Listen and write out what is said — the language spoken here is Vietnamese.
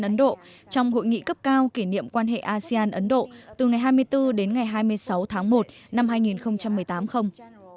ấn độ trong hội nghị cấp cao kỷ niệm quan hệ asean ấn độ từ ngày hai mươi bốn đến ngày hai mươi sáu tháng một năm hai nghìn một mươi tám không